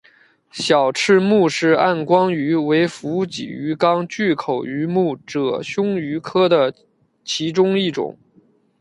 小翅穆氏暗光鱼为辐鳍鱼纲巨口鱼目褶胸鱼科的其中一种。